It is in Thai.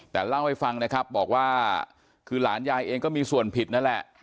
แต่เล่าให้ฟังนะครับบอกว่าคือหลานยายเองก็มีส่วนผิดนั่นแหละ